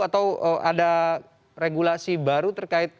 atau ada regulasi baru terkait